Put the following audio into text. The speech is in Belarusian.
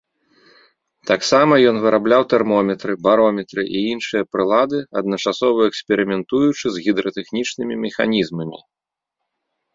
Таксама ён вырабляў тэрмометры, барометры і іншыя прылады, адначасова эксперыментуючы з гідратэхнічнымі механізмамі.